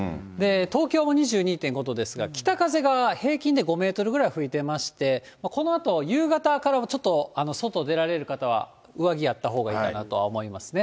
東京も２２．５度ですが、北風が平均で５メートルぐらい吹いてまして、このあと、夕方からちょっと外出られる方は上着あったほうがいいかなとは思いますね。